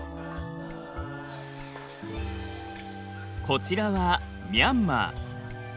こちらはミャンマー。